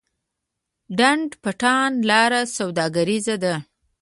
ډنډ پټان لاره سوداګریزه ده؟